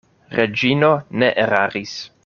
Reĝino ne eraris.